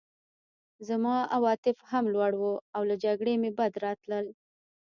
زما عواطف هم لوړ وو او له جګړې مې بد راتلل